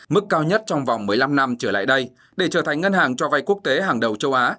mức cao nhất trong vòng một mươi năm năm trở lại đây để trở thành ngân hàng cho vay quốc tế hàng đầu châu á